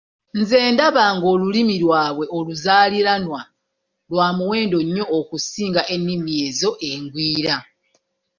Nze ndaba ng'olulimi lwabwe oluzaaliranwa lwa muwendo nnyo okusinga ennimi ezo engwira.